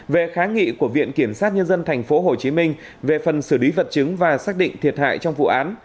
về kháng nghị của viện kiểm sát nhân dân tp hcm về phần xử lý vật chứng và xác định thiệt hại trong vụ án